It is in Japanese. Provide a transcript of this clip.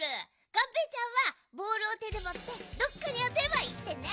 がんぺーちゃんはボールをてでもってどっかにあてれば１てんね。